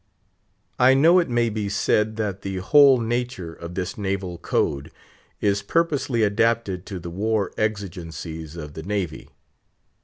I know it may be said that the whole nature of this naval code is purposely adapted to the war exigencies of the Navy.